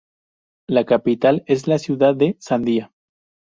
La capital es la ciudad de Sandia.